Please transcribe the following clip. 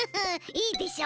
いいでしょ？